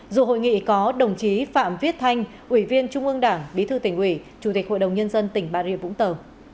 dù hội nghị có đồng chí phạm viết thanh ủy viên trung ương đảng bí thư tỉnh ủy chủ tịch hội đồng nhân dân tỉnh bà rịa vũng tàu